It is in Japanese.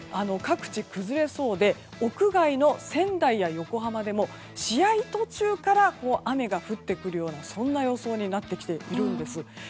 各地、崩れそうで屋外の仙台や横浜でも試合途中から雨が降ってくるような予想になってきているんです。